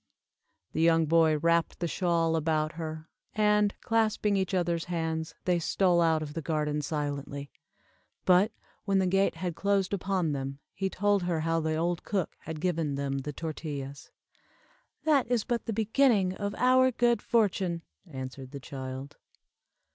The young boy wrapped the shawl about her, and, clasping each other's hands, they stole out of the garden silently, but, when the gate had closed upon them, he told her how the old cook had given them the tortillas. "That is but the beginning of our good fortune," answered the child.